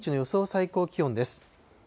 最高気温です。